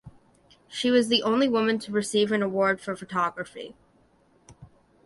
She was the only woman to receive an award for photography.